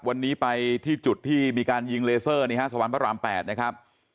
วันนี้ไปที่จุดที่มีการยิงเลเซอร์นี่ฮะสวรรค์พระราม๘นะครับ